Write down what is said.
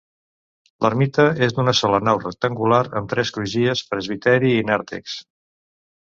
L'ermita és d'una sola nau rectangular, amb tres crugies, presbiteri i nàrtex.